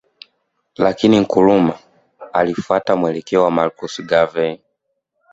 Lakini Nkrumah alifuata mwelekeo wa Marcus Garvey